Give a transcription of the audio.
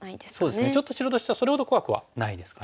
そうですねちょっと白としてはそれほど怖くはないですかね。